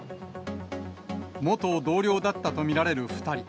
元同僚だったと見られる２人。